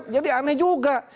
jadi aneh juga